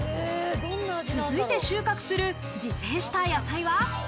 続いて収穫する自生した野菜は。